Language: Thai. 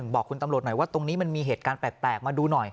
บอกคุณตำรวจหน่อยว่าตรงนี้มันมีเหตุการณ์แปลกมาดูหน่อย